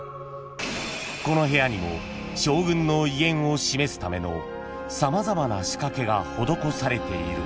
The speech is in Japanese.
［この部屋にも将軍の威厳を示すための様々な仕掛けが施されている。